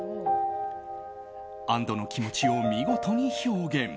安どの気持ちを見事に表現。